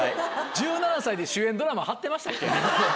１７歳で主演ドラマ張ってましたっけ？